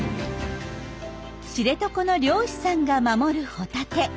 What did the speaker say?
知床の漁師さんが守るホタテ。